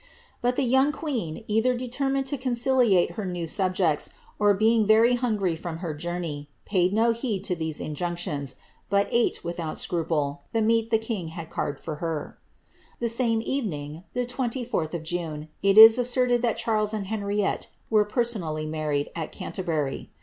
But the young queen, either determined to conciliate her new subjects, or being very hungry with her journey, paid no heed to these injunctions, but ate, without scruple, the meat the king had carved for herJ The same evening, the 24th of June, it is asserted that Charles and Henriette " were personally married,^' at Canterbury.